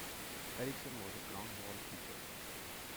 Erickson was a groundball pitcher.